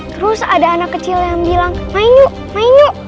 terus ada anak kecil yang bilang main yuk main yuk